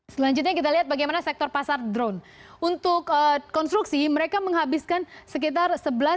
selanjutnya kita lihat bagaimana sektor pasar drone untuk konstruksi mereka menghabiskan sekitar